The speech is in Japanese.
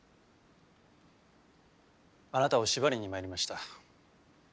あなたを縛りに参りました。